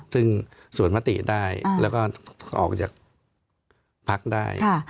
ซึ่งสวนมติได้แล้วก็ออกจากพักได้